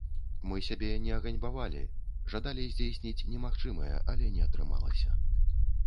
Мы сябе не аганьбавалі, жадалі здзейсніць немагчымае, але не атрымалася.